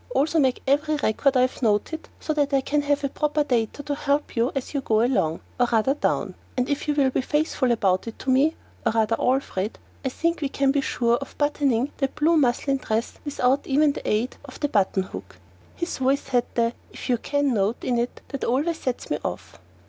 Also make every record I have noted so that I can have the proper data to help you as you go along or rather down. And if you will be faithful about it to me, or rather Alfred, I think we can be sure of buttoning that blue muslin dress without even the aid of the button hook." His voice had the "if you can" note in it that always sets me off.